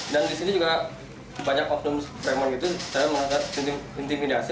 dan di sini juga banyak ofnum ofnum fremen itu saya merasa intimidasi